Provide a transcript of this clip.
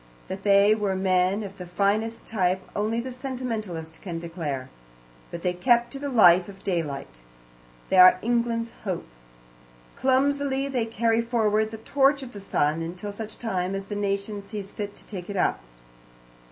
That they were men of the finest type only the sentimentalist can declare. But they kept to the life of daylight. They are England's hope. Clumsily they carry forward the torch of the sun, until such time as the nation sees fit to take it up.